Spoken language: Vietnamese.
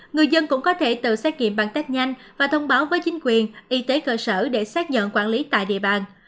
người dân cũng có thể tự xét nghiệm bằng test nhanh và thông báo với chính quyền y tế cơ sở để xác nhận quản lý tại địa bàn